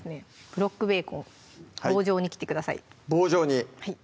ブロックベーコン棒状に切ってください